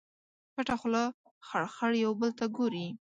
پټه خوله خړ، خړ یو بل ته ګوري